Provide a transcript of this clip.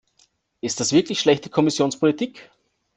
Ist das wirklich schlechte Kommissionspolitik?